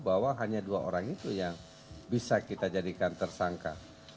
bahwa hanya dua orang itu yang bisa kita jadikan tersangka